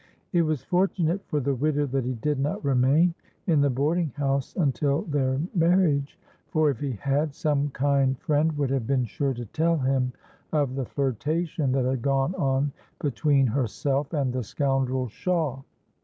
It was fortunate for the widow that he did not remain in the boarding house until their marriage; for, if he had, some kind friend would have been sure to tell him of the flirtation that had gone on between herself and the scoundrel Shawe.